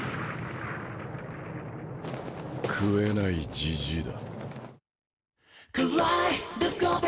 食えないじじいだ。